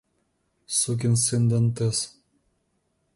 Сукин сын Дантес!